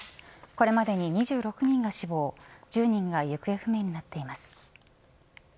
これまでに２６人が死亡１０人が行方不明になっています。